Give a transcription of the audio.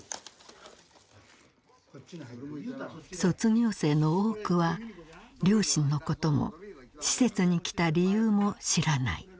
卒業生の多くは両親のことも施設に来た理由も知らない。